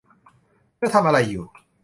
เธอทำอะไรอยู่